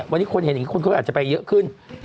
วันนี้คนเห็นอย่างนี้คนเขาอาจจะไปเยอะขึ้น